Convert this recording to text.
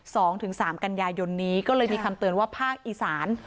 สองถึงสามกันยายนนี้ก็เลยมีคำเตือนว่าภาคอีสาน